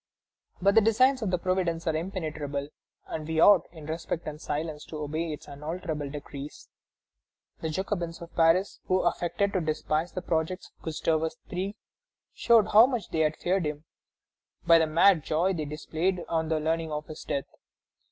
But the designs of Providence are impenetrable, and we ought, in respect and silence, to obey its unalterable decrees." The Jacobins of Paris, who affected to despise the projects of Gustavus III., showed how much they had feared him by the mad joy they displayed on learning of his death.